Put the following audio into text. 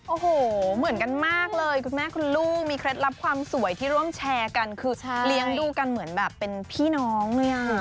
โอ้โหเหมือนกันมากเลยคุณแม่คุณลูกมีเคล็ดลับความสวยที่ร่วมแชร์กันคือเลี้ยงดูกันเหมือนแบบเป็นพี่น้องเลยอ่ะ